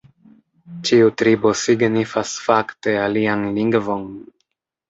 Ĉiu tribo signifas fakte alian lingvon.